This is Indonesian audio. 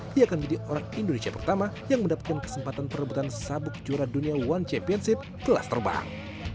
dia akan menjadi orang indonesia pertama yang mendapatkan kesempatan perebutan sabuk juara dunia one championship kelas terbang